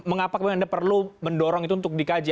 mengapa anda perlu mendorong itu untuk dikaji